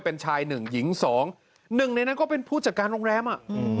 เป็นชายหนึ่งหญิงสองหนึ่งในนั้นก็เป็นผู้จัดการโรงแรมอ่ะอืม